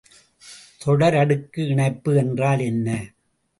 தொடரடுக்கு இணைப்பு என்றால் என்ன?